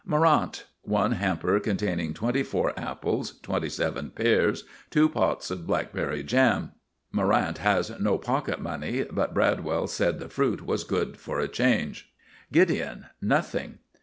MORRANT. One hamper containing twenty four apples, twenty seven pears, two pots blackberry jam. (Morrant has no pocket money, but Bradwell said the fruit was good for a change.) GIDEON. Nothing.